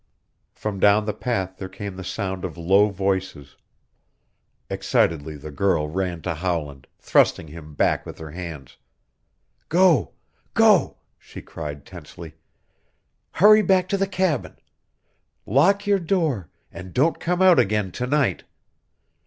From down the path there came the sound of low voices. Excitedly the girl ran to Howland, thrusting him back with her hands. "Go! Go!" she cried tensely. "Hurry back to the cabin! Lock your door and don't come out again to night!